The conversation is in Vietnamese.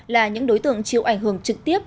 là những đối tượng chịu ảnh hưởng trực tiếp